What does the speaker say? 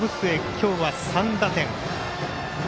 今日は３打点。